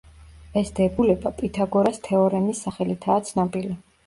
ეს დებულება პითაგორას თეორემის სახელითაა ცნობილი.